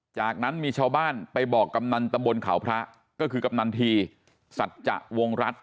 จากนั้นมีชาวบ้านไปบอกกำนันตำบลเขาพระก็คือกำนันทีสัจจะวงรัฐ